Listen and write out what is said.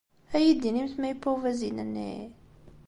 Ad iyi-d-inimt ma yewwa ubazin-nni?